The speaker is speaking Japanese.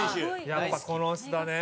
やっぱこの人だね。